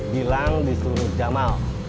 bilang di suruh dik jamal